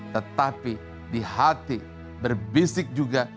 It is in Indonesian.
tetapi di hati berbisik juga